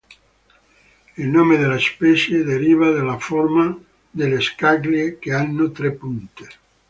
Il nome della specie deriva dalla forma delle scaglie, che hanno tre punte.